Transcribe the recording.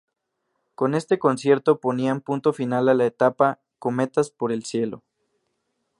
Con este concierto ponían punto final a la etapa "Cometas Por el Cielo".